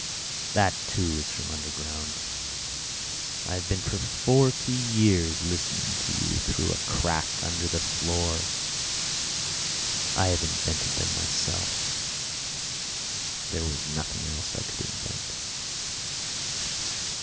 That, too, is from underground. I have been for forty years listening to you through a crack under the floor. I have invented them myself, there was nothing else I could invent.